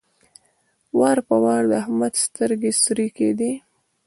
وار په وار د احمد سترګې سرې کېدې.